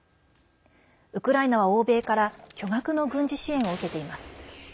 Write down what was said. ウクライナは欧米から巨額の軍事支援を受けています。